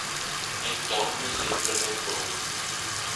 Ei tonscha semplamein buc.